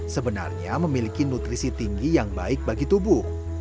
sebenarnya memiliki nutrisi tinggi yang baik bagi tubuh